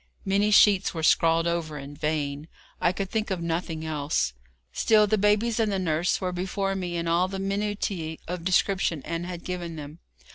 Many sheets were scrawled over in vain; I could think of nothing else. Still the babies and the nurse were before me in all the minutiæ of description Ann had given them.